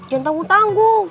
jangan tanggung tanggung